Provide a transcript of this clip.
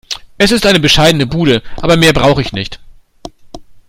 Es ist eine bescheidene Bude, aber mehr brauche ich nicht.